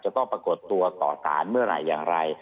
ต้องปรากฏตัวต่อสารเมื่อไหร่อย่างไร